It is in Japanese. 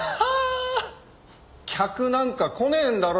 客なんか来ねえんだろ？